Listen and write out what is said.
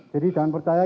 jadi jangan percaya